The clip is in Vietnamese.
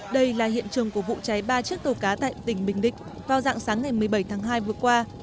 đây là hiện trường của vụ cháy ba chiếc tàu cá tại tỉnh bình định vào dạng sáng ngày một mươi bảy tháng hai vừa qua